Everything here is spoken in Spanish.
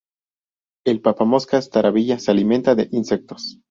El papamoscas tarabilla se alimenta de insectos.